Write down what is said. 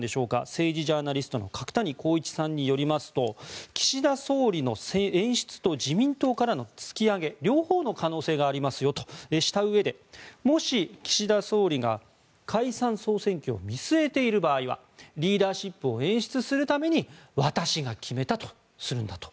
政治ジャーナリストの角谷浩一さんによりますと岸田総理の演出と自民党からの突き上げ両方の可能性がありますよとしたうえでもし、岸田総理が解散・総選挙を見据えている場合はリーダーシップを演出するために私が決めたとするんだと。